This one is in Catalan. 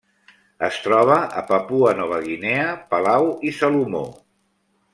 Es troba a Papua Nova Guinea, Palau i Salomó.